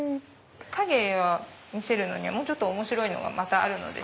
影を見せるのにはもうちょっと面白いのがあるので。